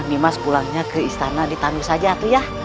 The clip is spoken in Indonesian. nih mas pulangnya ke istana di tanus saja tuh ya